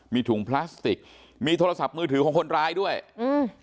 มีถุงพลาสติกมีโทรศัพท์มือถือของคนร้ายด้วยอืม